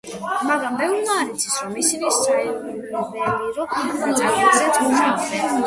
მაგრამ ბევრმა არ იცის, რომ ისინი საიუველირო ნაწარმზეც მუშაობდნენ.